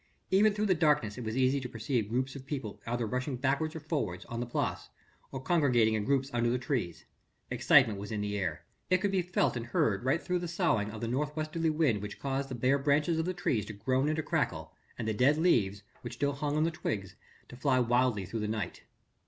Even through the darkness it was easy to perceive groups of people either rushing backwards and forwards on the Place or congregating in groups under the trees. Excitement was in the air. It could be felt and heard right through the soughing of the north westerly wind which caused the bare branches of the trees to groan and to crackle, and the dead leaves, which still hung on the twigs, to fly wildly through the night.